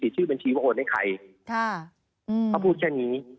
ที่บัญชีว่าโอนอีกใคร